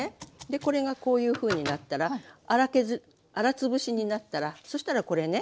でこれがこういうふうになったら粗潰しになったらそしたらこれね。